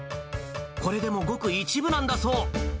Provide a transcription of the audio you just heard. これでもごく一部なんだそう。